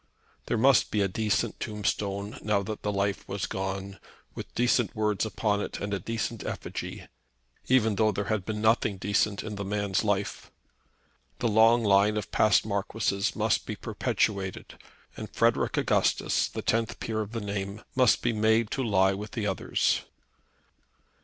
There must be a decent tombstone now that the life was gone, with decent words upon it and a decent effigy, even though there had been nothing decent in the man's life. The long line of past Marquises must be perpetuated, and Frederic Augustus, the tenth peer of the name, must be made to lie with the others.